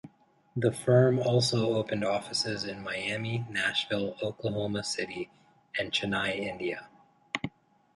The firm also opened offices in Miami, Nashville, Oklahoma City, and Chennai, India.